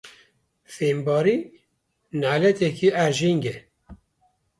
Fêmbarî naleteke erjeng e.